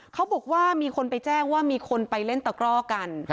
เขาบอกว่ามีคนไปแจ้งว่ามีคนไปเล่นตะกร่อกัน